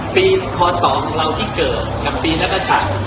ปีคสองของเราที่เกิดกับปีนัทรสัตว์